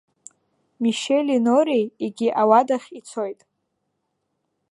Мишьели Нореи егьи ауадахь ицоит.